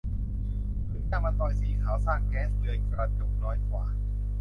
พื้นผิวยางมะตอยสีขาวสร้างแก๊สเรือนกระจกน้อยกว่า